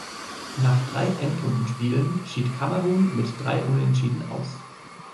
Nach drei Erstrundenspielen schied Kamerun mit drei Unentschieden aus.